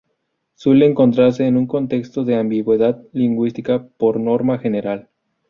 Suele encontrarse en un contexto de ambigüedad lingüística por norma general.